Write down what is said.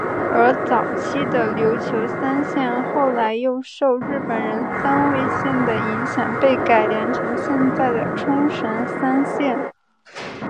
而早期的琉球三线后来又受日本三味线的影响被改良成现在的冲绳三线。